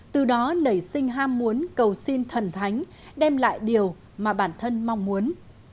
từ đó nảy sinh ham muốn cầu xin thần thánh đem lại điều mà bản thân mong muốn